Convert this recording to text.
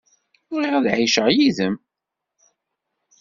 Bɣiɣ ad ɛiceɣ yid-m.